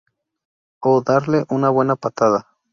O darle una buena patada".